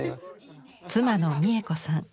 妻の三枝子さん。